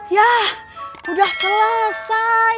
ya udah selesai